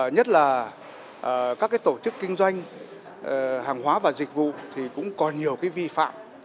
nhất là các tổ chức kinh doanh hàng hóa và dịch vụ thì cũng còn nhiều vi phạm